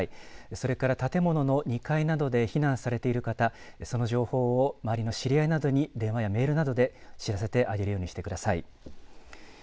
それから建物の２階などで避難されている方、その情報を周りの知り合いなどに電話やメールなどで知らせてあげるようにしてください。